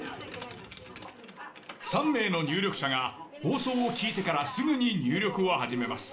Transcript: ３名の入力者が放送を聞いてからすぐに入力を始めます。